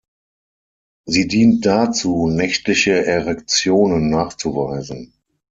Sie dient dazu, nächtliche Erektionen nachzuweisen.